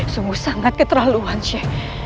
sungguh sangat keterlaluan shee